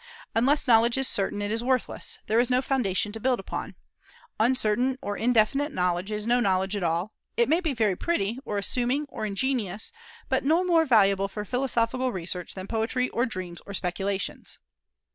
Unless knowledge is certain, it is worthless, there is no foundation to build upon. Uncertain or indefinite knowledge is no knowledge at all; it may be very pretty, or amusing, or ingenious, but no more valuable for philosophical research than poetry or dreams or speculations.